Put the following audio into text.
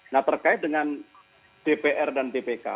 nah terkait dengan dpr dan dpk